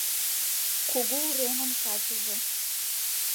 Кугу уремын качыже